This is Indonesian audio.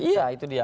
ya itu dia